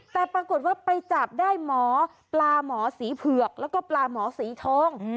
แต่ปรากฏว่าไปจับได้หมอปลาหมอสีเผือกแล้วก็ปลาหมอสีทอง